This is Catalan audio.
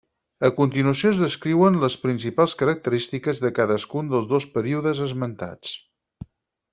A continuació es descriuen les principals característiques de cadascun dels dos períodes esmentats.